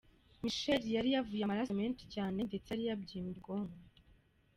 Michael yari yavuye amaraso menshi cyane ndetse yari yabyimbye ubwonko.